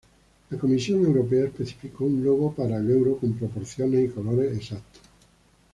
La Comisión Europea especificó un logo para el euro con proporciones y colores exactos.